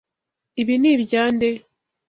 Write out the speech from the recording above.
Ibi ni ibya nde?